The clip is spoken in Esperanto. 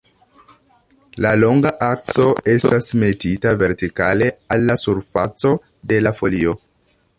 La longa akso estas metita vertikale al la surfaco de la folio.